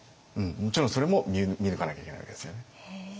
もちろんそれも見抜かなきゃいけないわけですよね。